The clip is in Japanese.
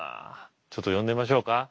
ちょっと呼んでみましょうか。